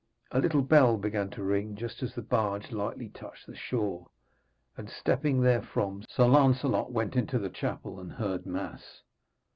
A little bell began to ring just as the barge lightly touched the shore, and stepping therefrom, Sir Lancelot went into the chapel, and heard mass.